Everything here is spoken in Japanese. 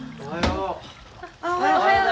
おはよう。